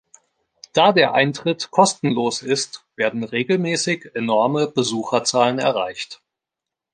Da der Eintritt kostenlos ist, werden regelmäßig enorme Besucherzahlen erreicht.